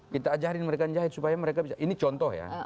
kita ajarin mereka menjahit supaya mereka bisa ini contoh ya